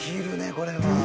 これは。